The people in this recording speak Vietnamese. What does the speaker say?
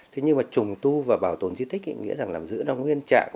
thế nhưng mà trùng tu và bảo tồn di tích nghĩa rằng là giữ nó nguyên trạng